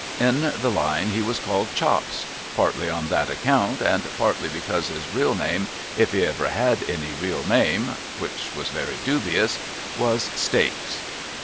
In the line he was called Chops ; partly on that account, and partly because his real name, if he ever had any real name (which was very dubious), was Stakes.